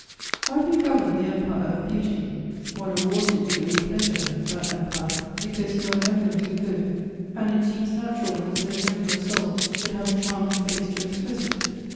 How do you govern the empire of beauty? One awards it you with pleasure, that empire, because you are eminently good, and it seems natural that so gentle a soul should have a charming face to express it.